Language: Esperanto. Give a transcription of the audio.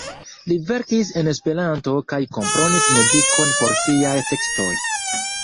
Li verkis en Esperanto kaj komponis muzikon por siaj tekstoj.